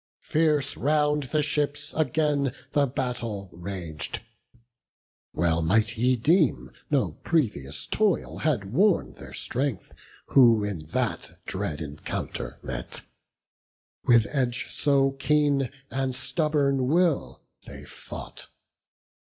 Fierce round the ships again the battle rag'd; Well might ye deem no previous toil had worn Their strength, who in that dread encounter met; With edge so keen, and stubborn will they fought.